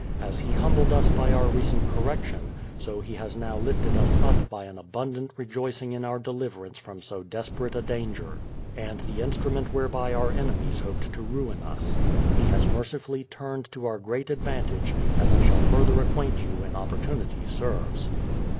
As He humbled us by our recent correction, so He has now lifted us up by an abundant rejoicing in our deliverance from so desperate a danger; and the instrument whereby our enemies hoped to ruin us. He has mercifully turned to our great advantage, as I shall further acquaint you when opportunity serves.